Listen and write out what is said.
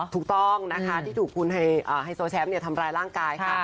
ถูกต้องนะคะที่ถูกคุณไฮโซแชมป์ทำร้ายร่างกายค่ะ